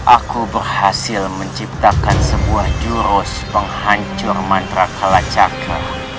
aku berhasil menciptakan sebuah jurus penghancur mantra kalacaka